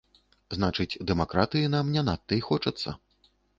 Значыць, дэмакратыі нам не надта і хочацца.